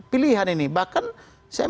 pilihan ini bahkan saya